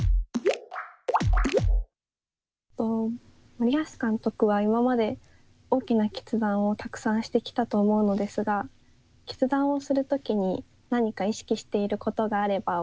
森保監督は今まで大きな決断をたくさんしてきたと思うのですが決断をする時に何か意識していることがあればお聞きしたいです。